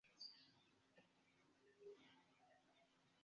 Por homoj, sendube la plej grava tipo de morto estas la homa morto.